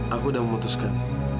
aku udah memutuskan